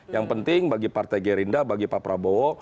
yang penting bagi partai gerindra bagi pak prabowo